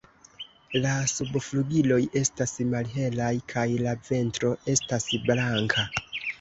La subflugiloj estas malhelaj kaj la ventro estas blanka.